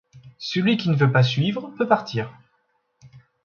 Celui qui ne veut pas suivre peut partir.